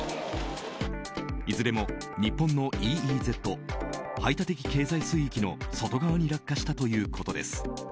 いずれも日本のＥＥＺ・排他的経済水域の外側に落下したということです。